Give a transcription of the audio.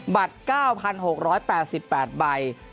บัตร๙๖๘๘ใบ